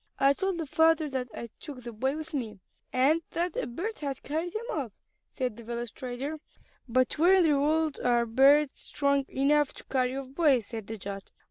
"I told the father that I took the boy with me, and that a bird had carried him off," said the village trader. "But where in the world are there birds strong enough to carry off boys?" said the judge.